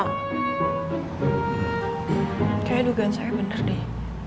kayaknya dugaan saya benar deh